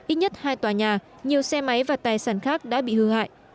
ít nhất hai tòa nhà nhiều xe máy và tài sản khác đã bị hư hại